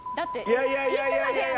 いやいやいやいやいや！